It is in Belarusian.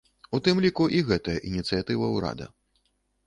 У тым ліку і гэтая ініцыятыва ўрада.